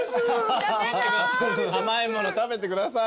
甘いもの食べてください。